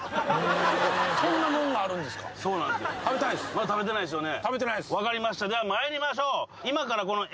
まだ食べてないですよね？